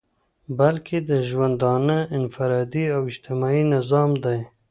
بلكي دژوندانه انفرادي او اجتماعي نظام دى